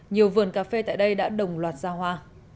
nhiều vườn cà phê tại đây đã đồng loạt ra hoa